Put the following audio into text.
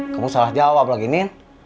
kamu salah jawab lagi